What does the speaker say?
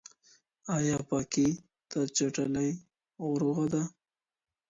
آیا پاکي تر چټلۍ روغه ده؟